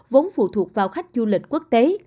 vốn phụ thuộc vào khách du lịch quốc tế